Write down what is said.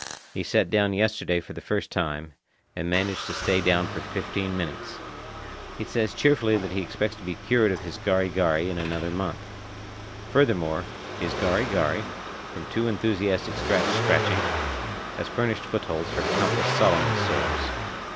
He sat down yesterday for the first time, and managed to stay down for fifteen minutes. He says cheerfully that he expects to be cured of his gari gari in another month. Furthermore, his gari gari, from too enthusiastic scratch scratching, has furnished footholds for countless Solomon sores.